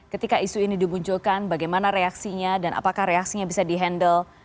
ketika isu ini dimunculkan bagaimana reaksinya dan apakah reaksinya bisa di handle